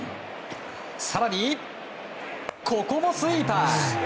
更に、ここもスイーパー。